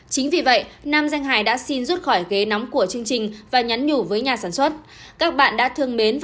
chính vì vậy nam danh hài đã xin rút khỏi ghế nóng của chương trình và nhắn nhủ với nhà sản xuất